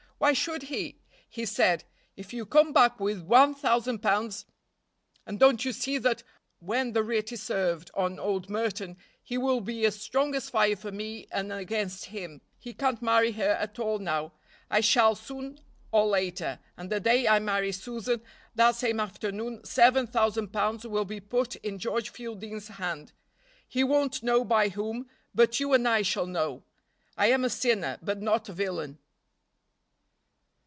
Why should he? He said, 'If you come back with one thousand pounds.' And don't you see that, when the writ is served on old Merton, he will be as strong as fire for me and against him. He can't marry her at all now. I shall soon or late, and the day I marry Susan that same afternoon seven thousand pounds will be put in George Fielding's hand, he won't know by whom, but you and I shall know. I am a sinner, but not a villain."